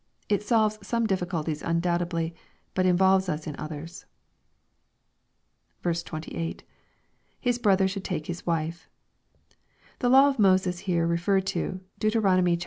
It solves some dif ficulties undoubtedly, but involves us in others. ^8. — [Ei8 brother should take his wife!\ The law of Moses here re ferred to, (Deut XXV.